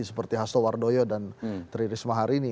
seperti hasto wardoyo dan tri risma harini